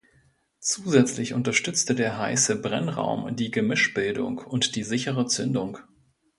Zusätzlich unterstützte der heiße Brennraum die Gemischbildung und die sichere Zündung.